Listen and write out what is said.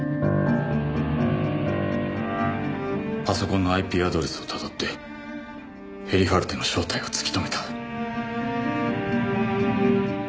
パソコンのＩＰアドレスを辿ってヘリファルテの正体を突き止めた。